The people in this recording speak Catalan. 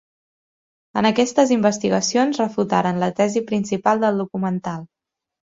En aquestes investigacions refutaren la tesi principal del documental.